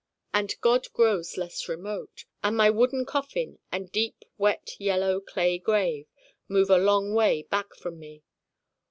And God grows less remote. And my wooden coffin and deep wet yellow clay grave move a long way back from me.